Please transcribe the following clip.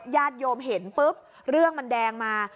ญาติโยมเห็นปุ๊บเรื่องมันแดงมา